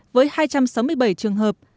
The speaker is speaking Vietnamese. với hai trăm sáu mươi bảy trường hợp